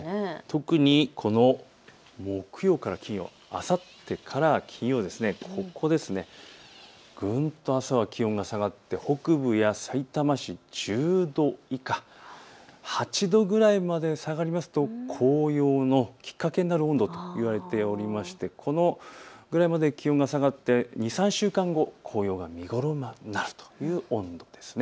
特に木曜から金曜、あさってから金曜、ぐんと朝は気温が下がって北部やさいたま市１０度以下、８度ぐらいまで下がりますと紅葉のきっかけになる温度と言われていましてこのぐらいまで気温が下がって２、３週間後、紅葉が見頃になるという温度です。